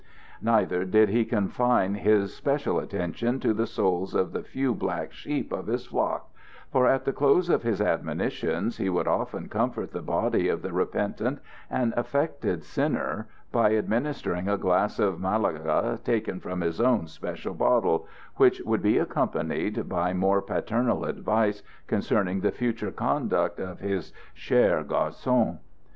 Neither did he confine his special attention to the souls of the few black sheep of his flock, for at the close of his admonitions he would often comfort the body of the repentant and affected sinner by administering a glass of Malaga taken from his own special bottle, which would be accompanied by more paternal advice concerning the future conduct of his cher garçon.